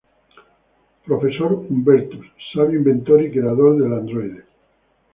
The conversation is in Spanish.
Profesor Hubertus: Sabio inventor y creador del androide.